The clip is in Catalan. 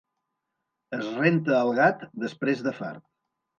Es renta el gat després de fart.